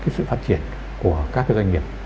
sự phát triển của các doanh nghiệp